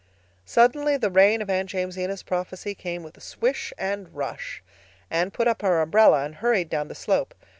Suddenly the rain of Aunt Jamesina's prophecy came with a swish and rush. Anne put up her umbrella and hurried down the slope.